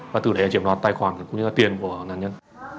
và từ đấy là triểm đoạt tài khoản cũng như là tiền của nạn nhân